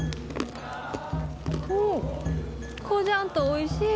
こじゃんとおいしい。